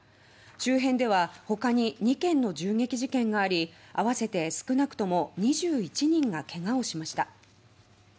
周辺ではほかに２件の銃撃事件があり合わせて少なくとも２１人がけがをしました。